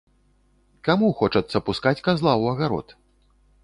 Каму хочацца пускаць казла ў агарод?